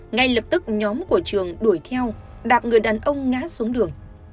ngay lập tức nhóm của trường đuổi theo đạp người đàn ông ngã xuống đường